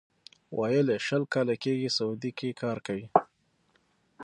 ویل یې شل کاله کېږي سعودي کار کوي.